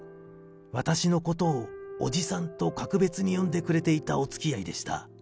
私のことを、おじさんと格別に呼んでくれていたおつきあいでした。